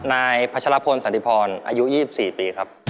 นายพัชรพลสันติพรอายุ๒๔ปีครับ